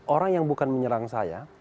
orang yang bukan menyerang saya